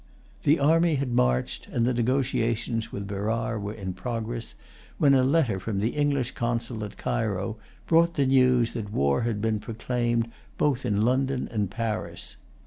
The army had marched, and the negotiations with Berar were in progress, when a letter from the English consul at Cairo brought the news that war had been proclaimed both in London and Paris.